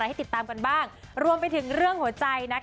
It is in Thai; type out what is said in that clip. ที่จะติดตามกันบ้างรวมไปถึงเรื่องหัวใจ